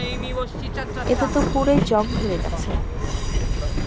এতে তো পুরোই জং ধরে গেছে।